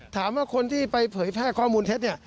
ถามว่าคนที่ไปเผยแพร่ข้อมูลเท็จเนี่ย